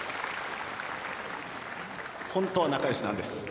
本当は仲良しなんです。